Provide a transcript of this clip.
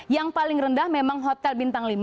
yang paling rendah memang hotel bintang lima